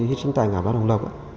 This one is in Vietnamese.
hít sinh tài ngạc và đồng lộc